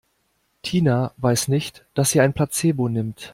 Tina weiß nicht, dass sie ein Placebo nimmt.